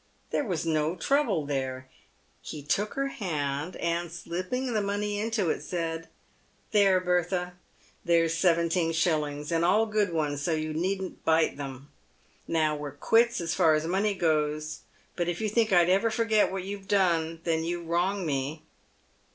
There was no trouble there. He took her hand, and, slipping the money into it, said, "There, Bertha, there's seventeen shillings, and all good ones, so you needn't bite 'em. Now we're quits as far as money goes, but if you think I'd ever forget what you've done, then you wrong me."